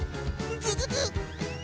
ズズズッ！